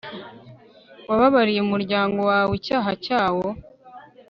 wababariye umuryango wawe icyaha cyawo